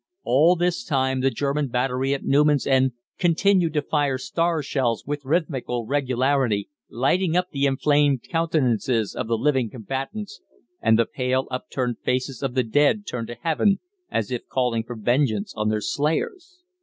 All this time the German battery at Newman's End continued to fire star shells with rhythmical regularity, lighting up the inflamed countenances of the living combatants, and the pale up turned faces of the dead turned to heaven as if calling for vengeance on their slayers.